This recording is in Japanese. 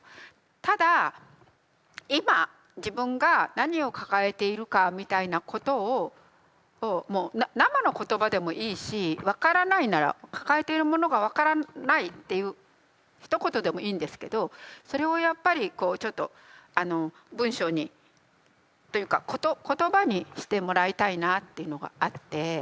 ただ今自分が何を抱えているかみたいなことをもう生の言葉でもいいし分からないなら「抱えているものが分からない」っていうひと言でもいいんですけどそれをやっぱりこうちょっと文章にというか言葉にしてもらいたいなあっていうのがあって。